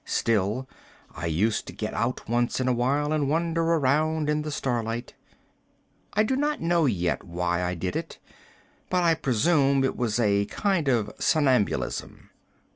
Still, I used to get out once in a while and wander around in the starlight. I did not know yet why I did it, but I presume it was a kind of somnambulism.